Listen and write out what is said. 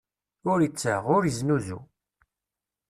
Ur ittaɣ, ur iznuzu.